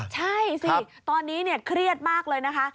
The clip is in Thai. ใช่สิตอนนี้เครียดมากเลยนะคะ